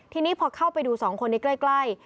ทีนี้พอเข้าไปดูสองคนนี้ใกล้